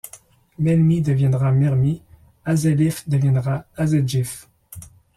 Melmi deviendra Mermi, Azellif deviendra Azedjif.